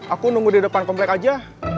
aku nunggu di depan komplek aja